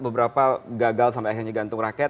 beberapa gagal sampai akhirnya gantung rakyat